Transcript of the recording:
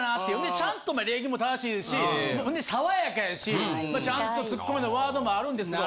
ちゃんと礼儀も正しいですしほんで爽やかやしちゃんとツッコミのワードもあるんですけど。